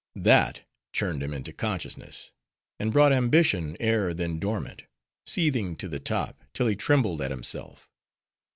That churned him into consciousness; and brought ambition, ere then dormant, seething to the top, till he trembled at himself.